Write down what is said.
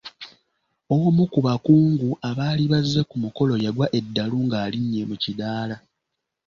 Omu ku bakungu abaali bazze ku mukolo yaggwa eddalu ng'alinnye mu kiddaala.